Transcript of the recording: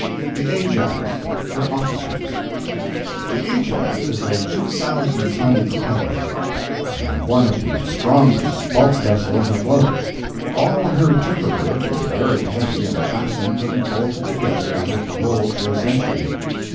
THE AJAX—HER OFFICERS The Ajax is a 2,000 ton propeller, and one of the strongest bulk vessels afloat. All her timber work is very heavy and fastened and bolted together as if to hold for a century.